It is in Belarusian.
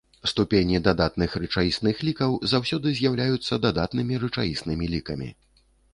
Ступені дадатных рэчаісных лікаў заўсёды з'яўляецца дадатнымі рэчаіснымі лікамі.